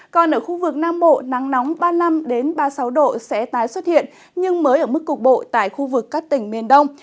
còn ở khu vực nam bộ nắng nóng ba mươi năm ba mươi sáu độ sẽ tái xuất hiện nhưng mới ở mức cục bộ tại khu vực các tỉnh miền đông